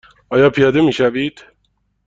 آیا پیاده می شوید؟